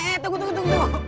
eh tunggu tunggu tunggu